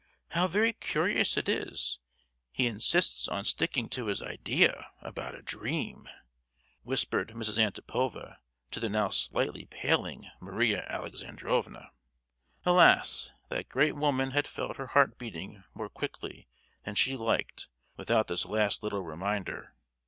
how very curious it is: he insists on sticking to his idea about a dream!" whispered Mrs. Antipova to the now slightly paling Maria Alexandrovna. Alas! that great woman had felt her heart beating more quickly than she liked without this last little reminder!